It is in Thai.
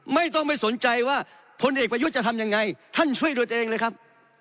ไม่ต้องไม่สนใจว่าพลเอกประยุทธ์จะทำยังไงท่านช่วยด้วยตัวเองเลยครับ